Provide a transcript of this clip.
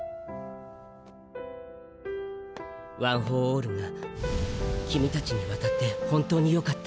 ワン・フォー・オールが君達に渡って本当によかった。